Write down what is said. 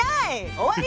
終わり！